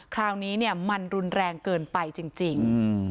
คราวนี้มันรุนแรงเกินไปจริง